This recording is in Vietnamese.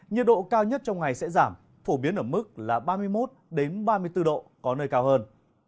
nhiệt độ cao nhất trong ngày sẽ giảm phổ biến ở mức là ba mươi một ba mươi bốn độ có nơi cao hơn